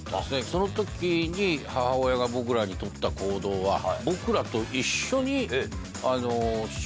その時に母親が僕らに取った行動は僕らと一緒に。